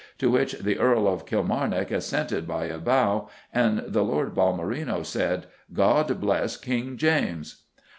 to which the Earl of Kilmarnock assented by a bow, and the Lord Balmerino said, 'God bless King James!